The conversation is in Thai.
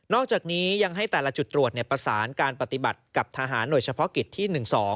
อกจากนี้ยังให้แต่ละจุดตรวจประสานการปฏิบัติกับทหารหน่วยเฉพาะกิจที่๑๒